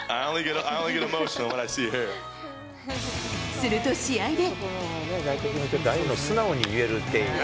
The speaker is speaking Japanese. すると試合で。